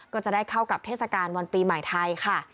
ก็จะได้เข้ากับเทศกาลวันปีใหม่ไทยค่ะ